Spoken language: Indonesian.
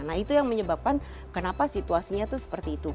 nah itu yang menyebabkan kenapa situasinya tuh seperti itu